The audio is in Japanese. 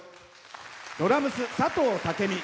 ドラムス、佐藤武美。